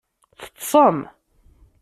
Teṭṭsem?